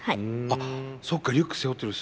あっそっかリュック背負ってる。